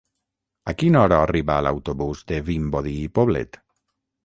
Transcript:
A quina hora arriba l'autobús de Vimbodí i Poblet?